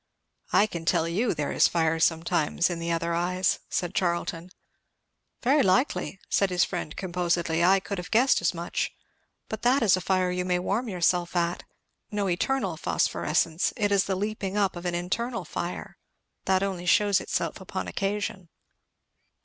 "I can tell you there is fire sometimes in the other eyes," said Charlton. "Very likely," said his friend composedly, "I could have guessed as much; but that is a fire you may warm yourself at; no eternal phosphorescence; it is the leaping up of an internal fire, that only shews itself upon occasion."